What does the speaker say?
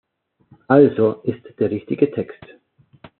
Also ist der richtige Text.